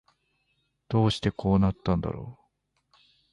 どうしてこうなったんだろう